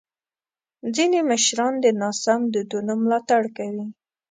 ځینې مشران د ناسم دودونو ملاتړ کوي.